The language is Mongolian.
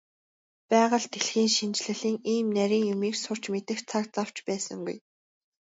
Байгаль дэлхийн шинжлэлийн ийм нарийн юмыг сурч мэдэх цаг зав ч байсангүй.